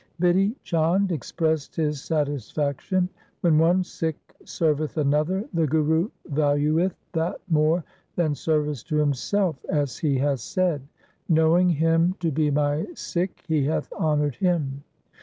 Bidhi Chand expressed his satisfaction — 'When one Sikh serveth another, the Guru valueth that more than service to himself, as he hath said, " Knowing him to be my Sikh he hath honoured him."